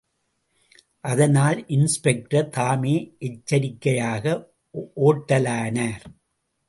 அதனால் இன்ஸ்பெக்டர் தாமே எச்சரிக்கையாக ஓட்டலானார்.